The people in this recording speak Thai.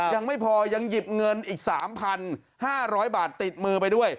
ยังไม่พอยังหยิบเงินอีก๓๕๐๐บาทติดมือไปด้วย